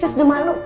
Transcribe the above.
cus udah malu